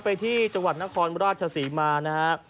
ไปที่จังหวัดนาครราชสีมานะครับ